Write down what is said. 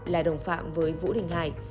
là đồng phạm với vũ đình hải